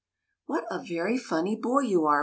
" What a very funny boy you are